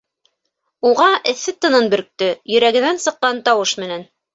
Уға эҫе тынын бөрктө, йөрәгенән сыҡҡан тауыш менән: